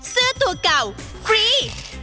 เสื้อตัวเก่าครี